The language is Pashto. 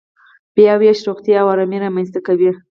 بیاوېش روغتیا او ارامي رامنځته کوي.